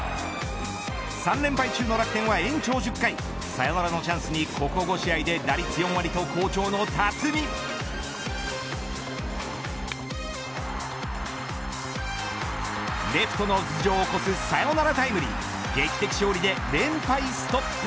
３連敗中の楽天は延長１０回サヨナラのチャンスにここ５試合で打率４割と好調の辰己レフトの頭上を越すサヨナラタイムリー